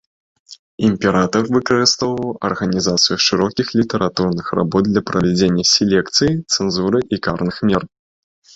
Імператар выкарыстоўваў арганізацыю шырокіх літаратурных работ для правядзення селекцыі, цэнзуры і карных мер.